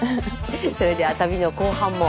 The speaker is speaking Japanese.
それでは旅の後半も。